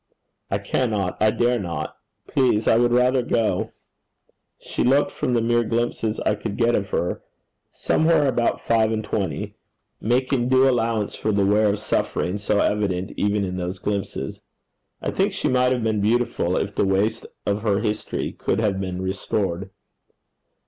'I cannot. I dare not. Please I would rather go.' She looked, from the mere glimpses I could get of her, somewhere about five and twenty, making due allowance for the wear of suffering so evident even in those glimpses. I think she might have been beautiful if the waste of her history could have been restored.